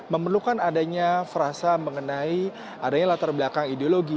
memerlukan adanya frasa mengenai adanya latar belakang ideologi